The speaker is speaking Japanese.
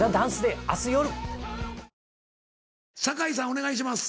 お願いします。